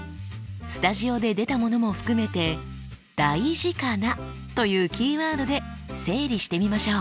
スタジオで出たものも含めて「だいじかな」というキーワードで整理してみましょう。